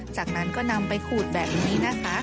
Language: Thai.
จากนั้นก็นำไปขูดแบบนี้นะคะ